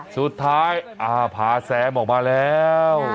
สุดท้ายผาแซมออกมาแล้ว